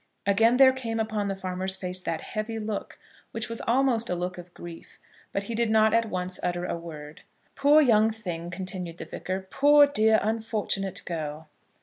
Again there came upon the farmer's face that heavy look, which was almost a look of grief; but he did not at once utter a word. "Poor young thing!" continued the Vicar. "Poor, dear, unfortunate girl!"